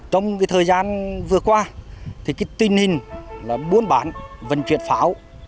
trong thời gian vừa qua thì tình hình là buôn bán vận chuyển pháo